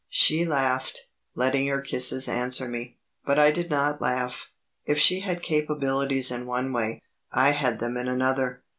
She laughed, letting her kisses answer me. But I did not laugh. If she had capabilities in one way, I had them in another.